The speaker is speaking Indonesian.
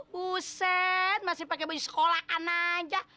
huseen masih pake baju sekolahan aja